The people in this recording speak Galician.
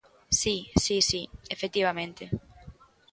Si, si, si, efectivamente.